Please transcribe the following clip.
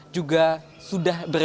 juga sudah bersih